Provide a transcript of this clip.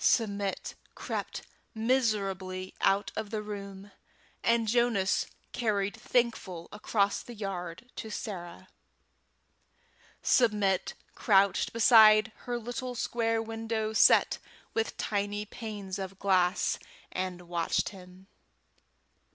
Submit crept miserably out of the room, and Jonas carried Thankful across the yard to Sarah. Submit crouched beside her little square window set with tiny panes of glass, and watched him.